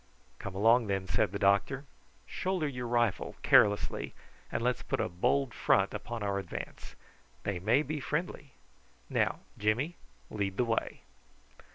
"Come along then," said the doctor. "Shoulder your rifle carelessly, and let's put a bold front upon our advance. They may be friendly. Now, Jimmy, lead the way."